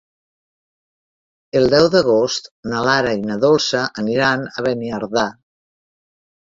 El deu d'agost na Lara i na Dolça aniran a Beniardà.